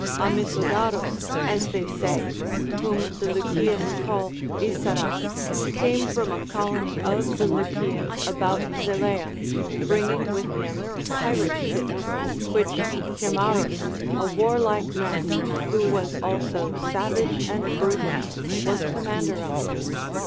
Amisodarus, as they say, Λvhom the Lycians call Isaras, came from a colony of the Lycians about Zeleia, bringing with him pirate ships, Λνΐιίοΐι Chimarrhus, a warlike man, who was also savage and brutish, was commander of.